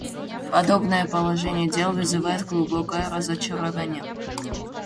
Подобное положение дел вызывает глубокое разочарование.